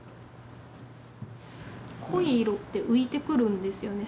濃い色って浮いてくるんですよね。